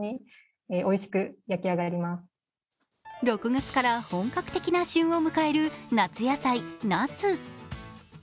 ６月から本格的な旬を迎える夏野菜、ナス。